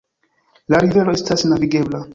La rivero estas navigebla.